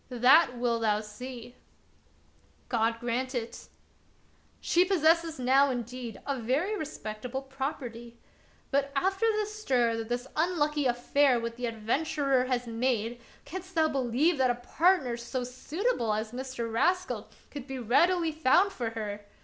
That wilt thou see I "" God grant it !" of Peter SchlemiJiL 73 " She possesses now, indeed, a very respectable property ; but after the stir that this unlucky affair with the adventurer has made, canst thou believe that a partner so suitable as Mr. Rascal could be readily found for her